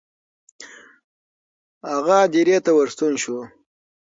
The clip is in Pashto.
هغه هدیرې ته ورستون شو.